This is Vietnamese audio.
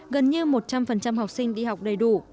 gần như một trăm linh học sinh đi học đầy đủ